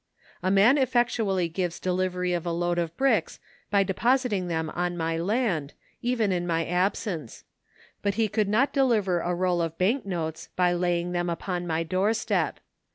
A man effectually gives deUvery of a load of bricks by depositing them on my land, even in my absence ; but he could not deliver a roll of bank notes by laying them upon my doorstep.